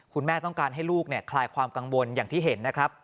คุณแม่ต้องการให้ลูกคลายความกังวลอย่างที่เห็นนะครับ